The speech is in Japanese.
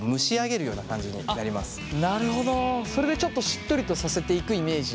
それでちょっとしっとりとさせていくイメージ？